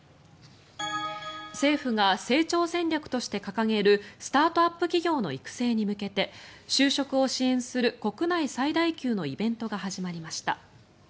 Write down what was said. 政府が成長戦略として掲げるスタートアップ企業の育成に向けて就職を支援する国内最大級のイベントが始まりました。